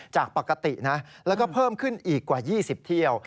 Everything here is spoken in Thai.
จากปกตินะแล้วก็เพิ่มขึ้นอีกกว่า๒๐เที่ยว